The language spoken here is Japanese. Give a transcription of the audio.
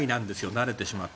慣れてしまって。